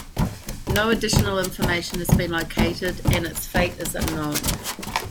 No additional information has been located, and its fate is unknown.